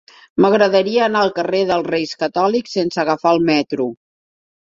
M'agradaria anar al carrer dels Reis Catòlics sense agafar el metro.